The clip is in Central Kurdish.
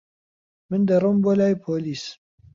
من دەڕۆم بۆ لای پۆلیس.